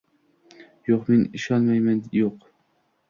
Yo‘q, men ishonmayman, yo‘q».